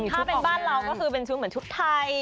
ถ้าเป็นบ้านเราก็คือเป็นชุดเหมือนชุดไทย